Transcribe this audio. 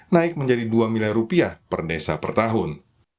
naik menjadi dua miliar rupiah per desa per tahun